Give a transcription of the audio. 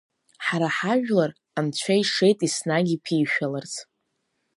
Ҳара ҳажәлар Анцәа ишеит еснагь иԥишәаларц…